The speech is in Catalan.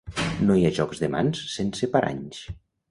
No hi ha jocs de mans sense paranys.